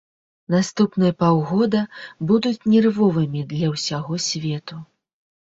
Наступныя паўгода будуць нервовымі для ўсяго свету.